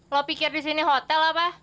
lo pikir disini hotel apa